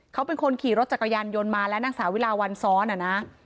เขาเป็นคนขี่รถจักรยานยนต์มาและนางสาวิลาวันซ้อนอ่ะนะ